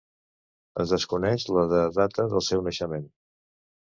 Es desconeix la de data del seu naixement.